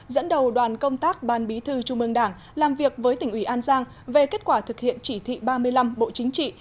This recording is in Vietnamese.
dẫn đầu đoàn công tác ban bí thư trung ương đảng làm việc với tỉnh ủy an giang về kết quả thực hiện chỉ thị ba mươi năm bộ chính trị